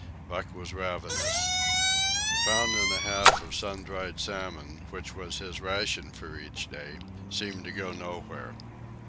Buck was ravenous. The pound and a half of sun dried salmon, which was his ration for each day, seemed to go nowhere.